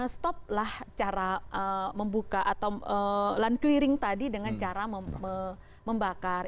stoplah cara membuka atau land clearing tadi dengan cara membakar